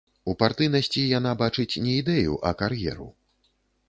У партыйнасці яна бачыць не ідэю, а кар'еру.